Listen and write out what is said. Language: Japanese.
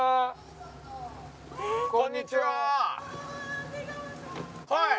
こんにちは。